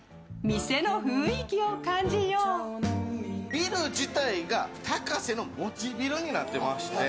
ビル自体がタカセの持ちビルになっていまして。